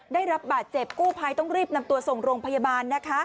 ได้รับบาดเจ็บกู้ภัยต้องรีบนำตัวส่งโรงพยาบาลนะคะ